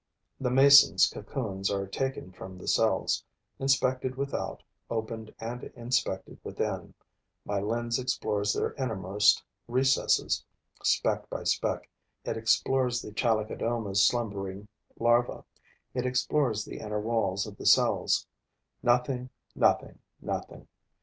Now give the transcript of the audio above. The Mason's cocoons are taken from the cells, inspected without, opened and inspected within. My lens explores their innermost recesses; speck by speck, it explores the Chalicodoma's slumbering larva; it explores the inner walls of the cells. Nothing, nothing, nothing!